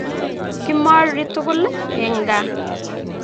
Kimari tugul eng kaa